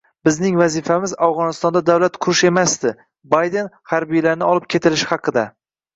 «Bizning vazifamiz Afg‘onistonda davlat qurish emasdi» - Bayden harbiylarning olib ketilishi haqida